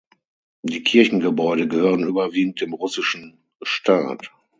Die Kirchengebäude gehören überwiegend dem russischen Staat.